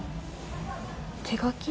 手書き？